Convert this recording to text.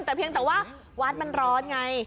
แต่เพียงแต่ว่าวัดมันร้อนไง